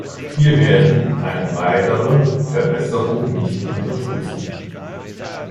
Wir werden eine weitere Verwässerung nicht unterstützen.